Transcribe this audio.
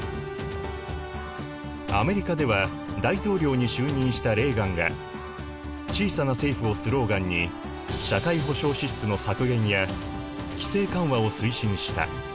アメリカでは大統領に就任したレーガンが「小さな政府」をスローガンに社会保障支出の削減や規制緩和を推進した。